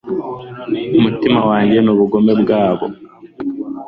Umutima wanjye nubugome bwawo